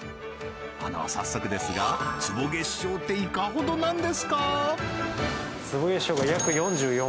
あの早速ですが坪月商っていかほどなんですか？